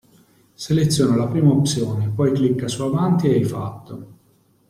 Seleziona la prima opzione, poi clicca su avanti e hai fatto.